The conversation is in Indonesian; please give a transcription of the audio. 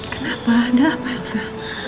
kenapa ada apa elsa